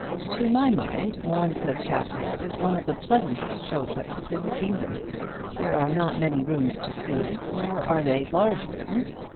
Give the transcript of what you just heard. To my mind, Warncliffe Castle is one of the pleasantest show places in the kingdom. There are not many rooms to see, nor are they large rooms.